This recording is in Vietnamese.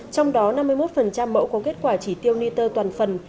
trong đó năm mươi một mẫu có kết quả chỉ tiêu niter toàn phần